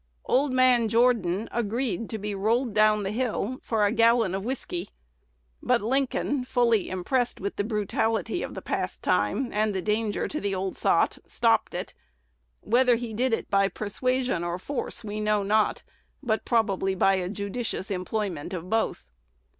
"Old man Jordan agreed to be rolled down the hill for a gallon of whiskey;" but Lincoln, fully impressed with the brutality of the pastime, and the danger to the old sot, "stopped it." Whether he did it by persuasion or force, we know not, but probably by a judicious employment of both.